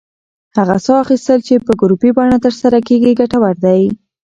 هغه ساه اخیستل چې په ګروپي بڼه ترسره کېږي، ګټور دی.